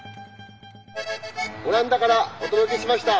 オランダからお届けしました。